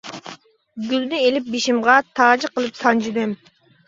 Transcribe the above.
گۈلنى ئېلىپ بېشىمغا، تاجى قىلىپ سانجىدىم.